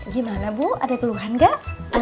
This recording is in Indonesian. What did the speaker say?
gimana bu ada keluhan nggak